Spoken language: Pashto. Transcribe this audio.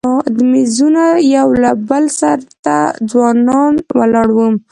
د میزونو یو او بل سر ته دوه ځوانان ولاړ وو.